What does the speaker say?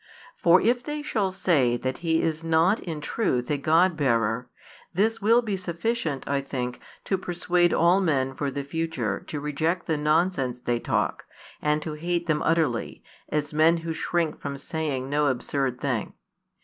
For if they shall say that he is not in truth a God bearer, this will be sufficient I think to persuade all men for the future to reject the nonsense they talk, and to hate them utterly, as men who shrink from saying no absurd thing.